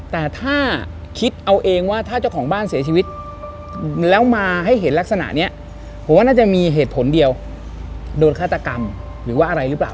แต่ถ้าคิดเอาเองว่าถ้าเจ้าของบ้านเสียชีวิตแล้วมาให้เห็นลักษณะนี้ผมว่าน่าจะมีเหตุผลเดียวโดนฆาตกรรมหรือว่าอะไรหรือเปล่า